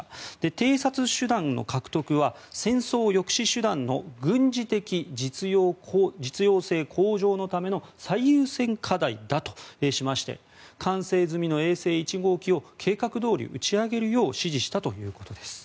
偵察手段の獲得は戦争抑止手段の軍事的実用性向上のための最優先課題だとしまして完成済みの衛星１号機を計画どおり打ち上げるよう指示したということです。